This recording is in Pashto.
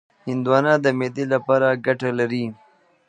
هندوانه د معدې لپاره ګټه لري.